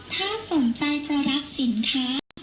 ถ้าสนใจจะรับสินค้า